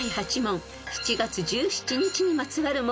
［７月１７日にまつわる問題］